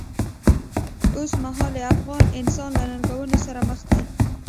اوسمهالی افغان انسان له ننګونو سره مخ دی.